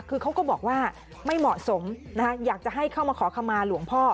คือเขาก็บอกว่าไม่เหมาะสมอยากจะให้เข้ามาขอคำมาหลวงพ่อ